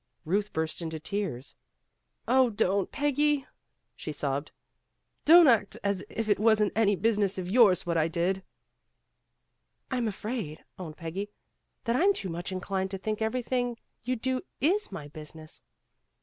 Ruth burst into tears. "Oh, don't, Peggy," she sobbed. "Don't act as if it wasn't any business of yours what I did." "I'm afraid," owned Peggy, "that I'm too much inclined to think everything you do is my business."